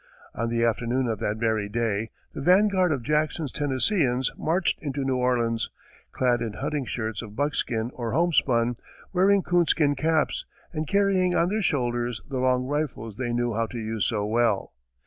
On the afternoon of that very day, the vanguard of Jackson's Tennesseans marched into New Orleans, clad in hunting shirts of buckskin or homespun, wearing coonskin caps, and carrying on their shoulders the long rifles they knew how to use so well.